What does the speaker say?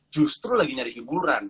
justru lagi nyari hiburan